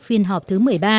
phiên họp thứ một mươi ba